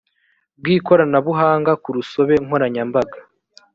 bw ikoranabuhanga ku rusobe nkoranyambaga